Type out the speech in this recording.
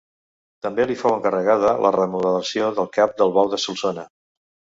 També li fou encarregada la remodelació del cap del Bou de Solsona.